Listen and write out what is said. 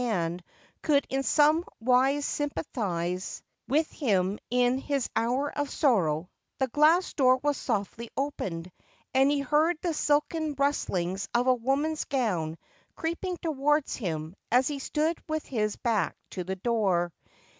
and could in some wise sympathize with him in his hour of sorrow, the glass door was softly opened, and he heard the silken rustling of a woman's gown creeping towards him as he stood with his back to the door.